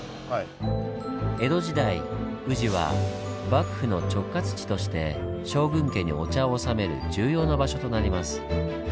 江戸時代宇治は幕府の直轄地として将軍家にお茶を納める重要な場所となります。